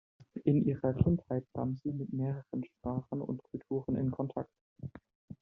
In ihrer Kindheit kam sie mit mehreren Sprachen und Kulturen in Kontakt.